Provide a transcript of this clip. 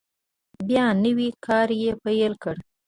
بیا نوی کار یې پیل کړ.